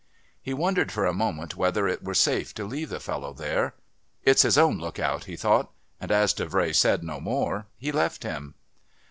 He wondered for a moment whether it were safe to leave the fellow there. "It's his own look out," he thought, and as Davray said no more he left him.